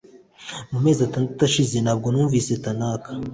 Mu mezi atandatu ashize ntabwo numvise Tanaka